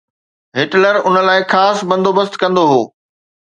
Hitler ان لاءِ خاص بندوبست ڪندو هو.